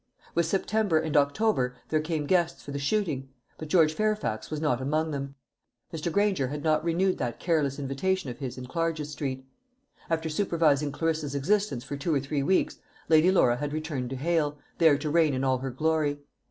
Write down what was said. With September and October there came guests for the shooting, but George Fairfax was not among them. Mr. Granger had not renewed that careless invitation of his in Clarges street. After supervising Clarissa's existence for two or three weeks, Lady Laura had returned to Hale, there to reign in all her glory.